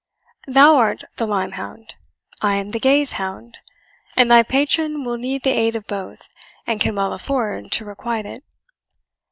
Thou art the lyme hound, I am the gaze hound; and thy patron will need the aid of both, and can well afford to requite it.